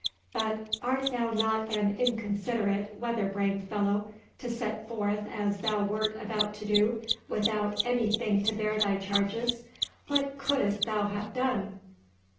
"But art thou not an inconsiderate weather brained fellow, to set forth as thou wert about to do, without any thing to bear thy charges; what couldst thou have done?"